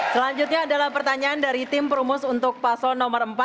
selanjutnya adalah pertanyaan dari tim perumus untuk paso nomor empat